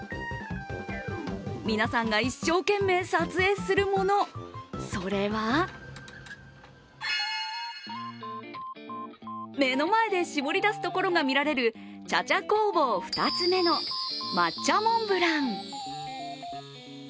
皆さんが一生懸命撮影するもの、それは目の前で絞り出すところが見られる茶々工房ふたつめの抹茶モンブラン。